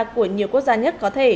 của nhiều quốc gia